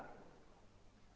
pembatasan kebiasaan itu adalah